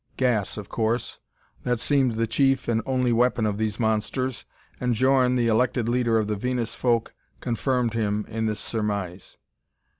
Gas, of course; that seemed the chief and only weapon of these monsters, and Djorn, the elected leader of the Venus folk, confirmed him in this surmise.